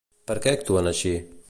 Per què actuen així?